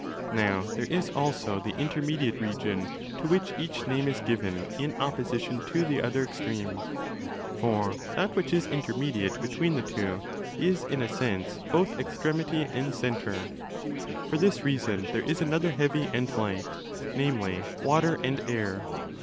Now there is also the inter mediate region to which each name is given in opposition to the other extreme. For that which is intermediate between the two is in a sense both extremity and centre.' For this reason there is another heavy and light; namely, water and air.